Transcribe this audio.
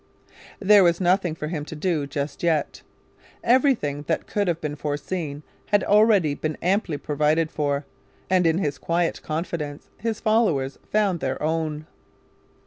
There was nothing for him to do just yet. Everything that could have been foreseen had already been amply provided for; and in his quiet confidence his followers found their own.